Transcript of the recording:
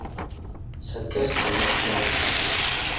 چەند کەس قۆڵبەست کران